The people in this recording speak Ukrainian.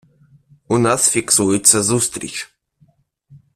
У нас фіксується зустріч.